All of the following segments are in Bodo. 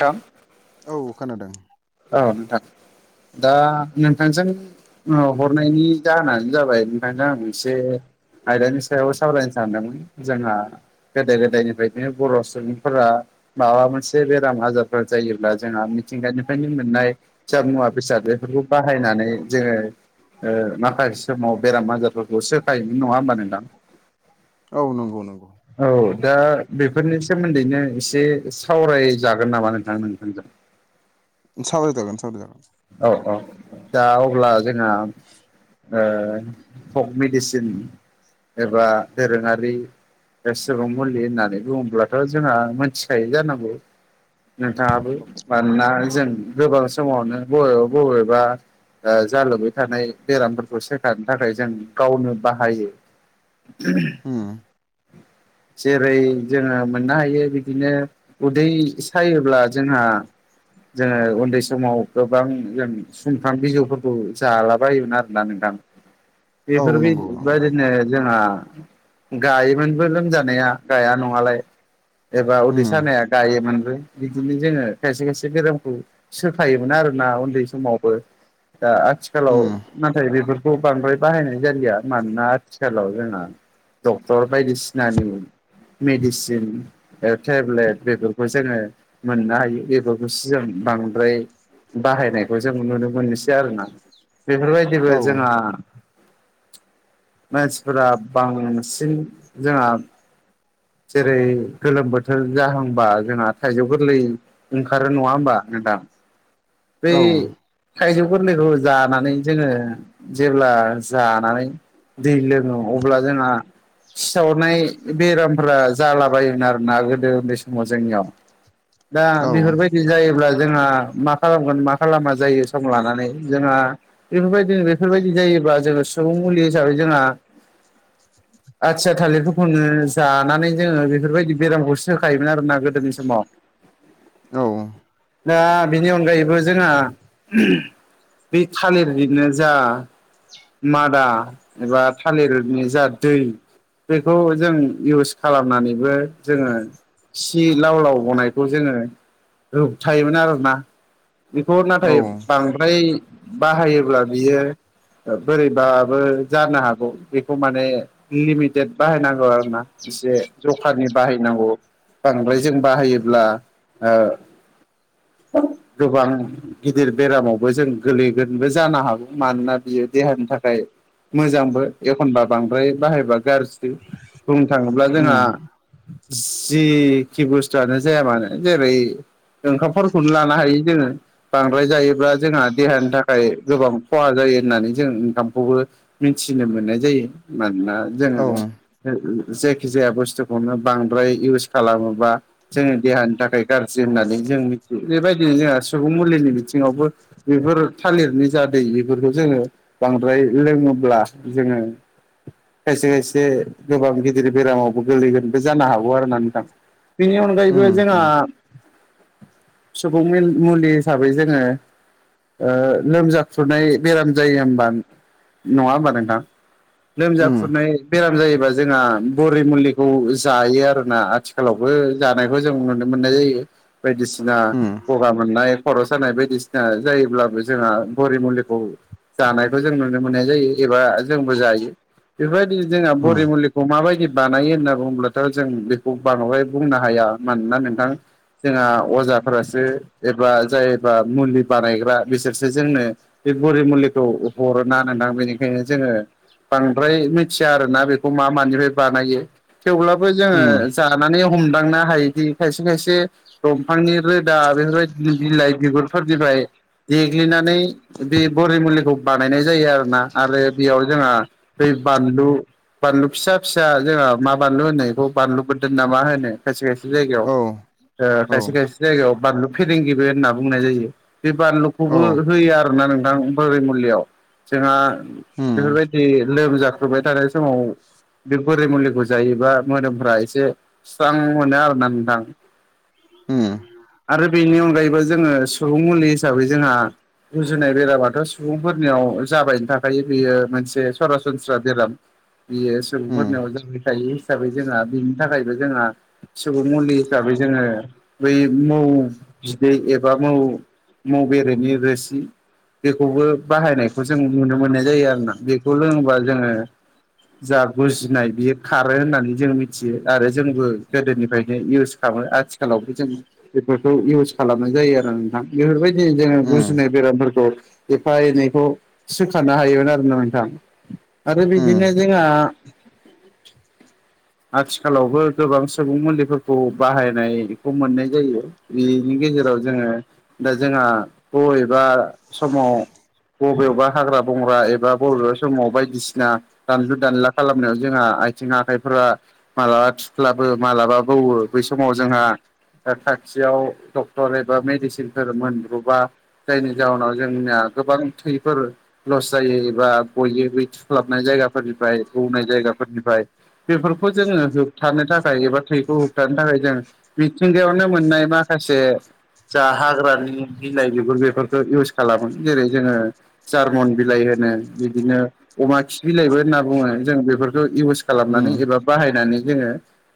थां औ खोनादों। औ नोंथां दा नोंथांजों। औ हरनायनि जाहोनानो जाबाय ओंखायनो आं एसे आयदानि सायाव सावरायनो सानदोंमोन जोंहा गोदाय गोदायनिफ्राय बर' सुबुंफोरा माबा मोनसे बेराम आजारफोर जायोब्ला जोंहा मिथिंगानि निफ्रायनो मोननाय फिसा मुवा बेसाद बेफोरखौ बाहायनानै जोङो ओ माखासे समाव बेराम आजारफोरखौ सोखायोमोन नङा होमबा नोंथां? औ नंगौ नंगौ। औ दा बेफोरनि सोमोन्दैनो एसे सावरायजागोन नामा नोंथां नोंथांजों? सावराय जागोन सावरायजागोन। औ औ दा अब्ला जोंहा पक मेडिसिन एबा दोरोङारि ओ सुबुं मुलि होननानै बुङोब्लाथ' जोंहा मिथिखायो जानांगौ। नोंथाङाबो मानोना जों गोबां समावनो बबेबा बबेबा जालुबाय थानाय बेरामफोरखौ सोखारनो थाखाय जों गावनो बाहायो। [unintelligible] उम जेरै जोङो मोननो हायो बिदिनो उदै सायोब्ला जोंहा जोङो उन्दै समाव गोबां जों सुमफ्राम बिजौफोरखौ जालाबायायोमोन आरोना नोंथां। औ नंगौ नंगौ बेफोरबायादिनो जोंहा। गायोमोनबो लोमजानाया गाया नङालाय एबा उदै उम सानाया गायोमोनबो। बिदिनो जोङो खायसे खायसे बेरामखौ सोखायोमोन आरोना उन्दै समावबो। दा आथिखालाव। उम नाथाय बेफोरखौ बांद्राय बाहायनाय जालिया मानोना आथिखालाव जोंना डक्टर बायदिसिनानि मेडिसिन ओ टेब्लेट बेफोरखौ जोङो मोननो हायो बेफोरखौसो जों बांद्राय बाहायनायखौ जों नुनो मोनसै आरोना बेफोरबायदिबो औ जोंहा। मानसिफोरा बांसिन जोंहा जेरै गोलोम बोथोर जाहांबा जोंहा थाइजौ गोरलै ओंखारो नङा होमबा नोंथां? बै औ थाइजौ गोरलैखौ जानानै जोङो जेब्ला जानानै दै लोङो अब्ला जोंहा सिसावनाय बेरामफ्रा जालाबायोमोन आरोना गोदो उन्दै समाव जोंनियाव। दा औ बेफोरबायदि जायोब्ला जोंहा मा खालामगोन मा खालामा जायो सम लानानै जोंहा बेफोरबायदिनो बेफोरबायदि जायोब्ला जोङो सुबुं मुलि हिसाबै जोंहा आथिया थालिरफोरखौनो जानानै जोङो बेफोरबायदि बेरामखौसो सोखायोमोन आरोना गोदोनि समाव। औ दा बे नि अनगायैबो जोंहा [unintelligible] बे थालिरनिनो जा मादा एबा थालिरनि जा दै बेखौ जों इउस खालामनानैबो जोङो खि लाव लाव गनायखौ जोङो होबथायोमोन आरोना। बेखौ नाथाय औ बांद्राय बाहायोब्ला बियो बोरैबाबो जानो हागौ बेखौ माने लिमिटेद बाहायनांगौ आरो ना एसे जखानि बाहायनांगौ। बांद्राय जों बाहायोब्ला ओ [unintelligible] गोबां गिदिर बेरामावबो जों गोलैगोनबो जानो हागौ मानोना बियो देहानि थाखाय मोजांबो एखनबा बांद्राय बाहायबा गाज्रि बुंनो थांङोब्ला उम जोंहा जिखि बुस्थुआनो जाया मानो जेरै ओंखाम [unintelligible] खौनो लानो हायो जोंङो। बांद्राय जायोब्ला जोंहा देहानि थाखाय गोबां खहा जायो होननानै जों ओंखामखौबो मिथिनो मोननाय जायो मानोना औ जोंङो जायखि जाया बुस्थुखौनो बांद्राय इउस खालामोबा जोंनि देहानि थाखाय गाज्रि होननानै जों मिथियो बेबायदिनो जोंहा सुबुं मुलिनि बिथिंङावबो बेफोर थालिरनि जा दै बेफोरखौ जोंङो बांद्राय लोंङोब्ला जोंङो खायसे खायसे गोबां गिदिर बेरामावबो गोलैगोनबो जानो हागौ आरो नोंथां बेनि अनगायैबो उम जोंहा उम सुबुंनि मुलि हिसाबै जोंङो ओ लोमजाखुरनाय बेराम जायो हबा नंङा होमबा नोंथां लोमजा उम खुरनाय बेराम जायोबा जोंहा बरि मुलिखौ जायो आरोना आथिखालावबो जानायखौ जों नुनो मोननाय जायो। बायदिसिना उम गगा मोननाय खर' सानाय बायदिसिना जायोब्लाबो जोंहा बरि मुलिखौ जानायखौ जों नुनो मोननाय जायो एबा जोंबो जायो बेफोरबायदिनो जोंहा उम बरि मुलि खौ माबायदि बानायो होनना बुंङोबथ' जों बेखौ बांद्राय बुंनो हाया मानोना नोंथां जोंहा अजाफ्रासो एबा जायोबा मुलि बानायग्रा बिसोरसो जोंनो बे बरि मुलिखौ हरो ना नोंथां बेनिखायनो जोंङो बांद्राय मिथिया आरोना बेखौ मा मानिफ्राय बानायो। थेवब्लाबो उम जोंङो जानानै हमदांनो हायोदि खायसे खायसे दंफांनि रोदा बेफोरबायदि बिलाइ बिगुरफोरनिफ्राय देग्लिनानै बे बरि मुलिखौ बानायनाय जायो आरोना आरो बेयाव जोंहा बेै बानलु बानलु फिसा फिसा जोंहा मा बानलु होनो बेखौ बानलु बोदोन नामा होनो खायसे खायसे औ जायगायाव ओ औ खायसे खायसे जायगायाव बानलु फेरेंगिरिबो होनना बुंनाय जायो। बे औ बानलुखौबो होयो आरोना नोंथां बोरै मुलियाव जोंहा उम बेफोरबायदि लोमजाख्रुबाय थानाय समाव बे बोरै मुलिखौ जायोबा मोदोमफ एसे स्रां मोनो आरोना नोंथां। उम। आरो बेनि अनगायैबो जोंङो सुबुं मुलि हिसाबै जोंहा गुजुनाय बेरामाथ' सुबुंफोरनियाव जाबायनो थाखायो बेयो मोनसे सरासनस्रा बेराम। बियो उम सुबुंफोरनियाव जाबायखायो हिसाबै जोंहा बिनि थाखायबो जोंहा सुबुं मुलि हिसाबै जोंङो बै मोव बिदै एबा मोव बेरेनि रोसि बेखौबो बाहायनायखौ जों नुनो मोननाय जायो आरोना बेखौ लोंङोबा जोंङो जा गुजुनाय बियो खारो होननानै जों मिथियो आरो जोंबो गोदोनिफ्रायनो इउस खामो आथिखालाव जों बेफोरखौ इउस खालामनाय जायो आरो नोंथां बेफोरबायदि जोंङो उम गुजुनाय बेरामफोरखौ एफा- एनैखौ सोखारानो हायोमोन आरो ना नोंथां। आरो उम बिदिनो जोंहा आथिखालावबो गोबां सुबुं मुलिफोरखौ बाहायनाय खौ मोननाय जायो बेनि गेजेराव जोंङो दा जोंहा बबेबा समाव बबेबा हाग्रा- बंग्रा एबा बबेबा समाव बायदिसिना दानलु -दानला खालामनायाव जोंहा आथिं -आखाइफोरा माब्लाबा थुख्लाबो मालाबा बौवो बै समाव जोंहा खाथियाव डक्टर एबा मेडिसिनफोर मोनब्र'बा जायनि जाहोनाव जोंनिया गोबां थैफोर लस जायो एबा गयो बै थुख्लाबनाय जायगाफोरनिफ्राय बौनाय जायगाफोरनिफ्राय बेफोरखौ जोङो होबथानो थाखाय एबा थैखौ होबथानो थाखाय जों मिथिंगायावनो मोननाय माखासे जा हाग्रानि बिलाइ बिगुर बेफोरखौ इउस खालामो जेरै जोङो जार्मन बिलाइ होनो बिदिनो अमा खि बिलाइबो होनना बुङो जों बेफोरखौ इउस खालामनानै उम एबा बाहायनानै जोङो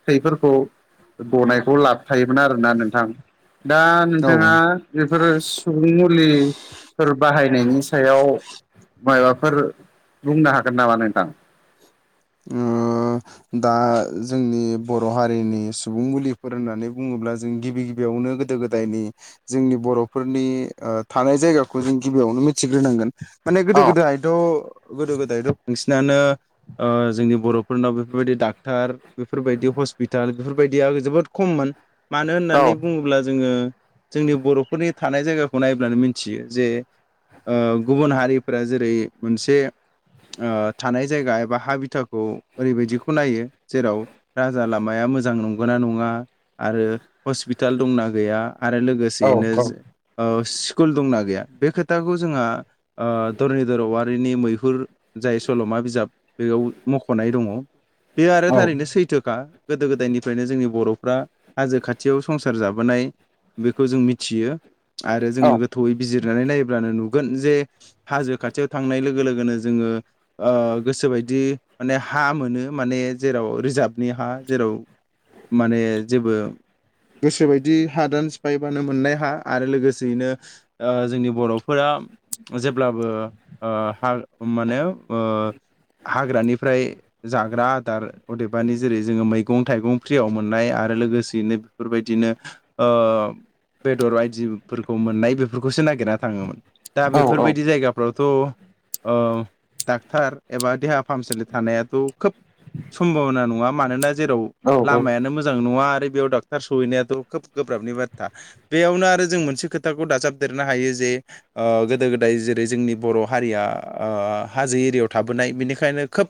थैफोरखौ गनाय बे लाबथायोमोन आरोना नोंथां दा औ नोंथाङा बेफोरो सुबुं मुलिफोर बाहायनायनि सायाव मायबाफोर बुंनो हागोन नामा नोंथां ओ दा जोंनि बर' हारिनि सुबुं मुलिफोर होननानै बुङोब्ला जों गिबि गिबियावनो गोदो गोदाय जायनि जोंनि बर'फोरनि थानाय जायगाखौ जों गिबियावनो मिथिग्रोनांगोन माने गोदो औ गोदायथ' गोदो गोदायथ' बांसिनानो जोंनि बर'फोरनाव बेफोरबायदि डाक्टार बेफोरबायदि हस्पिताल बेफोरबायदिया जोबोद खममोन मानो औ होननानै बुङोब्ला जोङो जोंनि बर'फोरनि थानाय जायगाखौ नायब्लानो मिथियो जे गुबुन हारिफोरा जेरै मोनसे ओ थानाय जायगा एबा हा बिथाखौ ओरैबायदिखौ खौ नायो जेराव राजा लामाया मोजां नंगौ ना नङा आरो हस्पिटाल दंना गैया आरो औ लोगोसेयैनो औ स्कुल दंना गैया बे खोथाखौ जोंहा धरनिधर औवारिनि मैहुर जाय सल'मा बिजाब बेयाव मख'नाय दङ बे आरो औ थारैनो सैथोखा गोदो गोदायनिफ्रायनो जोंनि बर'फ्रा हाजो खाथियाव संसार जाबोनाय बेखौ जों मिथियो आरो औ जोङो गोथौयै बिजिरनानै नायब्लानो नुगोन जे हाजो खाथियाव थांनाय लोगो लोगोनो जोङो गोसोबायदि माने हा मोनो माने जेराव रिजार्भनि हा जेराव माने जेबो गोसोबायदि हादान सिफायबानो मोननाय हा आरो लोगोसेयैनो ओ जोंनि बर'फोरा जेब्लाबो ओ हा माने ओ हाग्रानिफ्राय जाग्रा आदार अदेबानि जेरै जोङो मै मैगं थाइगं फ्रियाव मोननाय आरो लोगोसेयैनो बेफोरबायदिनो बेदर बायदिफोरखौ मोननाय बेफोरखौसो नागिरना थाङोमोन दा औ बेफोरबायदि जायगा फोरावथ' डाक्टार एबा देहा फाहामसालि थानायाथ' खोब समभाबना नङा मानोना जेराव औ लामायानो मोजां नङा आरो बेयाव डाक्ट थार सहैनायाथ' खोब गोब्राबनि बाथ्रा बेयावनो आरो जों मोनसे खोथाखौ दाजाबदेरनो हायो जे ओ गोदो गोदाय जेरै जोंनि बर' हारिया हाजो एरियायाव थाबोनाय बेनिखायनो खोब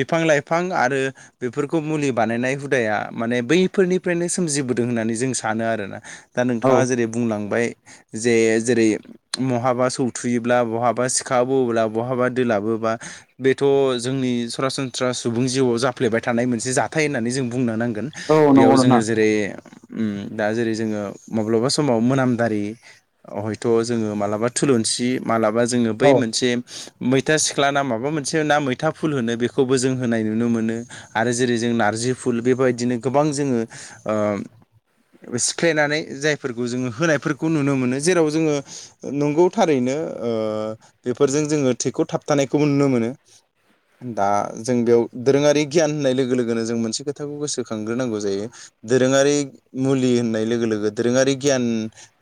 बिफां लाइफां आरो बेफोरखौ मुलि बानायनाय हुदाया माने बैफोरनिफ्रायनो सोमजिबोदों होननानै जों सानो आरोना दा औ नोंथाङा जेरै बुंलांबाय जे जेरै बहाबा सौथुयोब्ला बहाबा सिखा बोयो्ला बहाबा दलाबो बा बेथ' जोंनि सरासनस्रा बाथ्रा सुबुं जिउआव जाफ्लेबाय थानाय मोनसे जाथाय होननानै जों बुंनो नांगोन नंगौ बेयाव जोङो नोंथां जेरै उम दा जेरै जोङो माब्लाबा समाव मोनामदारि हयथ' जोङो मालाबा थुलुंसि मालाबा जोङो बै औ मोनसे मैथा सिख्ला ना माबा मोनसे ना मैथा फुल होनो बे खौबो जों होनाय नुनो मोनो आरो जेरै जों नारजि फुल बेबायदिनो गोबां जोङो ओ सिफ्लेनानै जायफोरखौ जोङो होनायफोरखौ नुनो मोनो जेराव जोङो नंगौ थारैनो बेफोरजों जोङो थेखौ थाबथानायखौबो नुनो मोनो दा जों बेयाव दोरोङारि गियान होननाय लोगो लोगोनो जों मोनसे खोथाखौ गोसोखांग्रोनांगौ जायो दोरोङारि मुलि होननाय लोगो लोगो दोरोङारि गियान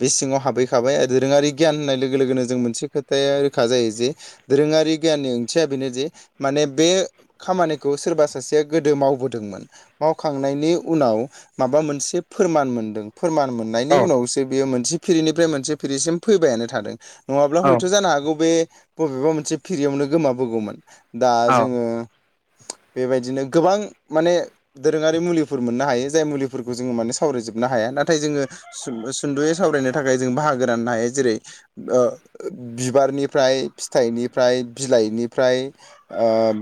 बे सिङाव हाबहैखाबाय आरो दोरोङारि गियान होननाय लोगो लोगोनो जों मोनसे खोथाया रोखा जायो जे दोरोङारि गियाननि ओंथिया बेनोदिे माने बे खामानिखौ सोरबा सासेया गोदो मावबोदोंमोन मावखांनायनि उनाव माबा मोनसे फोरमान मोनदों फोरमान मोन औ नायनि उनावसो बियो मोनसे फिरिनिफ्राय मोनसे फिरिसिम फैबायानो थादों नङाब्ला औ हयथ' जानो हागौ बे बबेबा मोनसे फिरियावनो गोमाबोगौमोन दा औ जोङो बेबायदिनो गोबां माने दोरोङारि मुलिफोर मोननो हायो जाय मुलिफोरखौ जोङो माने सावरायजोबनो हाया नाथाय जोङो सुद'यै सावरायनो थाखाय जों बाहागो रानानो हायो जेरै बिबारनिफ्राय फिथाइनिफ्राय बिलाइनिफ्राय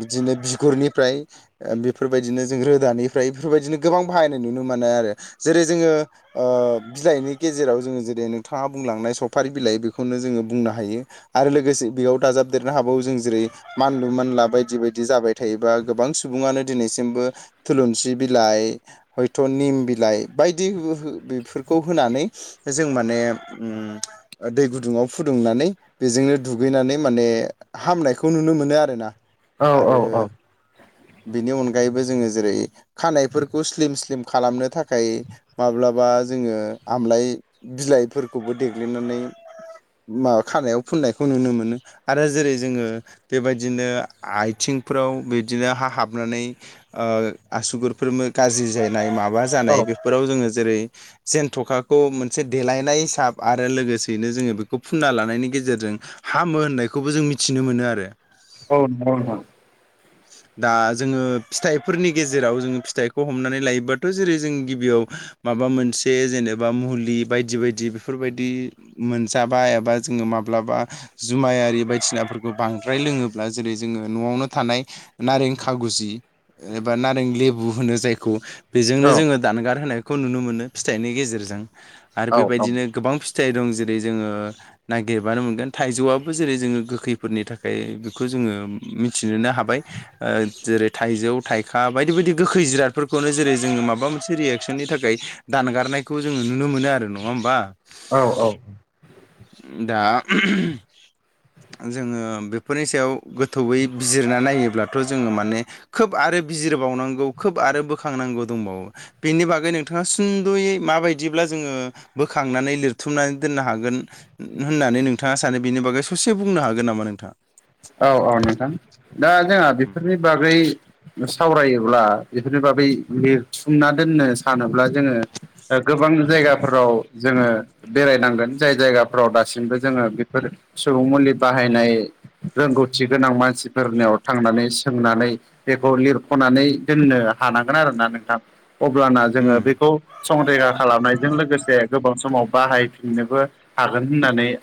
बिदिनो बिगुरनिफ्राय बेफोरबायदिनो जों रोदानिफ्राय बेफोरबायदिनो गोबां बाहायनाय नुनो मोनो आरो जेरै जोङो ओ बिलाइनि गेजेराव जोङो जेरै नोंथाङा बुंलांनाय सफारि बिलाइ बेखौनो जोङो बुंनो हायो आरो लोगोसे बेयाव दाजाबदेरनो हाबावो जों जेरै मानलु मानला बायदि बायदि जाबाय थायोबा गोबां सुबुङानो दिनैसिमबो थुलुंसि बिलाइ हयथ' निम बिलाइ बायदि बेफोरखौ होनानै जों माने उम दै गुदुङाव फुदुंनानै बेजोंनो दुगैनानै माने हामनायखौ नुनो मोनो आरोना औ आरो औ बिनि अनगायैबो जोङो जेरै खानायफोरखौ स्लिम स्लिम खालामनो थाखाय माब्लाबा जोङो आमलाइ बिलाइफोरखौबो देग्लिनानै माबा खानायाव फुननायखौ नुनो मोनो आरो जेरै जोङो बेबायदिनो आथिंफोराव बिदिनो हा हाबनानै ओ आसुगुरफोर गाज्रि जानाय माबा औ जानाय बेफोराव जोङो जेरै जेनथ'खाखौ मोनसे देलायनाय हिसाब आरो लोगोसेयैनो जोङो बेखौ फुनना लानायनि गेजेरजों हामो होननायखौबो जों मिथिनो मोनो आरो औ औ दा जोङो फिथाइफोरनि गेजेराव जोङो फिथाइखौ हमनानै लायोबाथ' जेरै जों गिबियाव माबा मोनसे जेनेबा मुलि बायदि बायदि बेफोरबायदि मोनजाबा एबा जोङो माब्लाबा जुमायारि बायदिसिनाफोरखौ बांद्राय लोङोब्ला जेरै जोङो न'आवनो थानाय नारें खागुजि एबा नारें लेबु होनो जायखौ बेजोंनो औ जोङो दानगार होनायखौ नुनो मोनो फिथाइनि गेजेरजों आरो औ बेबायदिनो गोबां फिथाइ दं जेरै जोङो नागिरबानो मोनगोन थाइजौआबो जेरै जोङो गोखैफोरनि थाखाय बे खौ जोङो मिथिनोनो हाबाय जेरै थाइजौ थाइखा बायदि बायदि गोखै जिरादफोरखौनो जेरै जोङो माबा मोनसे रियेक्सननि थाखाय दानगारनायखौ जोङो नुनो मोनो आरो नङा होमबा औ औ दा जोङो बे बेफोरनि सायाव गोथौयै बिजिरना नायोब्लाथ' जोङो माने खोब आरो बिजिरबावनांगौ खोब आरो बोखांनांगौ दंबावो बेनि बागै नोंथाङा सद'यै माबायदिब्ला जोङो बोखांनानै लिरथुमनानै दोननो हागोन होननानै नोंथाङा सानो बेनि बागै ससे बुंनो हागोन नामा नोंथाङा औ औ नोंथां दा जोंहा बेफोरनि बागै सावरायोब्ला बेफोरनि बागै लिरथुमना दोननो सानोब्ला जोङो ओ गोबां जायगाफोराव जोङो बेरायनांगोन जाय जायगाफ्राव दासिमबो जोङो बेफोर सुबुं मुलि बाहायनाय रोंगौथि गोनां मानसिफोरनियाव थांनानै सोंनानै बेखौ लिरख'नानै दोननो हानांगोन आरोना नोंथां अब्लाना जोङो उम बेखौ संरैखा खालामनायजों लोगोसे गोबाव समाव बाहायफिननोबो हागोन होननानै